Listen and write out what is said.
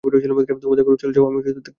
তোমাদের চলে যাওয়া আমি দেখতে পারবো না।